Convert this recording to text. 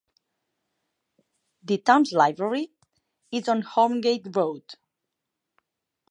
The town's library is on "Holmgate Road".